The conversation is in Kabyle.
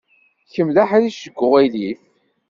Kemm d aḥric seg uɣilif.